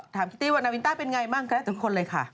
ถามคิตตี้ว่านาวินต้าเป็นไงบ้างแล้วแต่ทุกคนเลยค่ะ